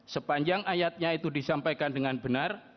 sepanjang ayatnya itu disampaikan dengan benar